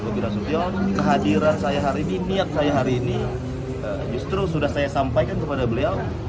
bobi nasution kehadiran saya hari ini niat saya hari ini justru sudah saya sampaikan kepada beliau